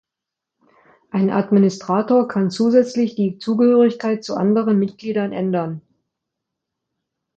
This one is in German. Ein Administrator kann zusätzlich die Zugehörigkeit zu anderen Mitgliedern ändern.